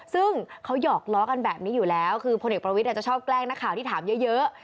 ซึ่งเขาหยอกล้อกันแบบนี้อยู่แล้วคือพลเอกประวิทย์จะชอบแกล้งนักข่าวที่ถามเยอะ